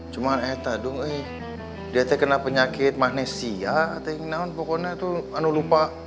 cuma itu dong eh dia kena penyakit magnesia atau yang lain pokoknya tuh lupa